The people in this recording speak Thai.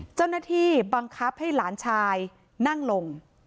เจ้าหน้าที่บังคับให้หลานชายนั่งลง